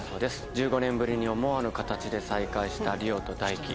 １５年ぶりに思わぬ形で再会した梨央と大輝